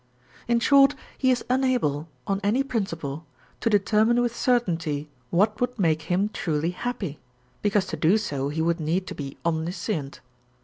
In short, he is unable, on any principle, to determine with certainty what would make him truly happy; because to do so he would need to be omniscient.